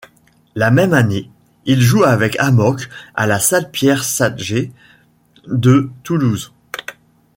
La même année, ils jouent avec Amok à la salle Pierre Satgé de Toulouse.